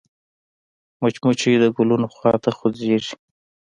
مچمچۍ د ګلونو خوا ته خوځېږي